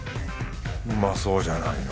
うまそうじゃないの